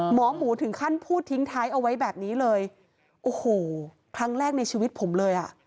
หมอหมูถึงขั้นพูดทิ้งท้ายเอาไว้แบบนี้เลยโอ้โหครั้งแรกในชีวิตผมเลยอ่ะ